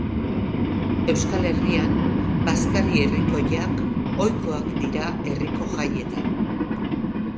Euskal Herrian, bazkari herrikoiak ohikoak dira herriko jaietan.